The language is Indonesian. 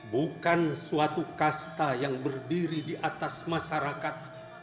bukan suatu kasta yang berdiri di atas masyarakat